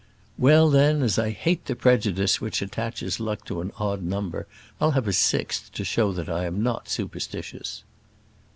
"Well, then, as I hate the prejudice which attaches luck to an odd number, I'll have a sixth to show that I am not superstitious."